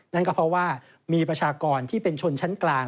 นั่นก็เพราะว่ามีประชากรที่เป็นชนชั้นกลาง